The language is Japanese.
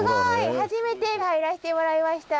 初めて入らせてもらいました。